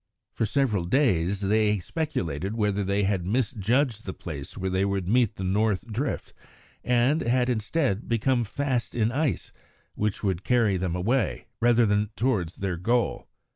For several days they speculated whether they had misjudged the place where they would meet the north drift, and had, instead, become fast in ice which would carry them away, rather than towards their goal.